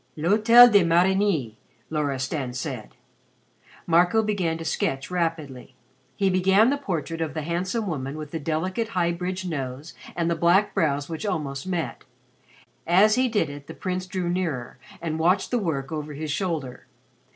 "L'Hotel de Marigny," Loristan said. Marco began to sketch rapidly. He began the portrait of the handsome woman with the delicate high bridged nose and the black brows which almost met. As he did it, the Prince drew nearer and watched the work over his shoulder.